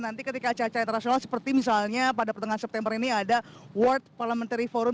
nanti ketika caca internasional seperti misalnya pada pertengahan september ini ada world parliamentary forum